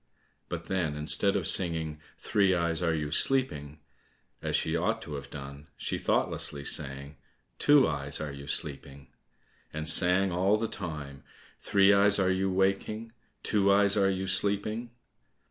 but then, instead of singing, "Three eyes, are you sleeping?" as she ought to have done, she thoughtlessly sang, "Two eyes, are you sleeping?" and sang all the time, "Three eyes, are you waking? Two eyes, are you sleeping?"